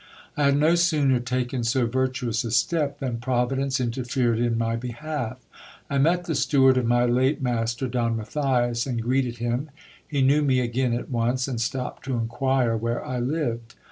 I had no sooner taken so virtuous a step, than providence interfered i 1 my behalf. I met the steward of my late master, Don Matthias, and greeted 1 im : he knew me again at once, and stopped to inquire where I lived.